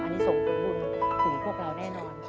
อนิสงฆ์ผลบุญถึงพวกเราแน่นอน